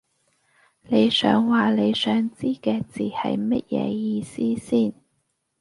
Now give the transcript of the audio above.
你想話你想知嘅字係乜嘢意思先